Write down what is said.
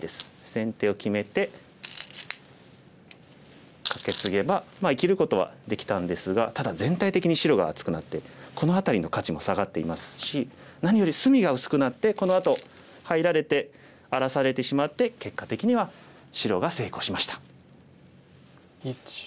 先手を決めてカケツゲば生きることはできたんですがただ全体的に白が厚くなってこの辺りの価値も下がっていますし何より隅が薄くなってこのあと入られて荒らされてしまって結果的には白が成功しました。